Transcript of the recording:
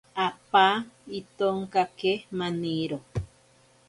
Apa itonkake maniro.